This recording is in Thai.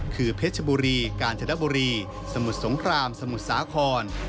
คือเพชรบุรีกาญจนบุรีสมุทรสงครามสมุทรสาคร